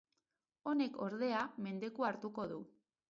Honek, ordea, mendekua hartuko du.